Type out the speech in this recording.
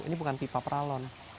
ini bukan pipa peralon